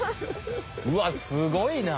うわすごいな。